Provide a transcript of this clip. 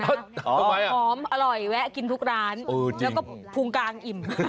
อ๋อออกไปอ่ะหอมอร่อยแวะกินทุกร้านแล้วก็ภูมิกลางอิ่ม